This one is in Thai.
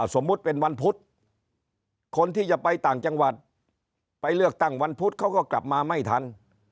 สมมุติเป็นวันพุธคนที่จะไปต่างจังหวัดไปเลือกตั้งวันพุธเขาก็กลับมาไม่ทัน